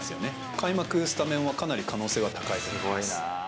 開幕スタメンはかなり可能性は高いと思います。